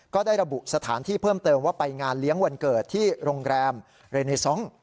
ก็ได้ระบุสถานที่เพิ่มเติมว่าไปงานเลี้ยงวันเกิดที่โรงแรมเรเนซอง